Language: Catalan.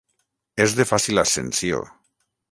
És de fàcil ascensió.